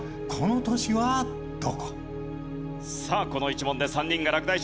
さあこの１問で３人が落第します。